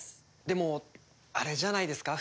でもあれじゃないですか？